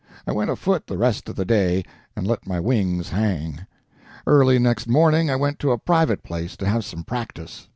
I went afoot the rest of the day, and let my wings hang. Early next morning I went to a private place to have some practice.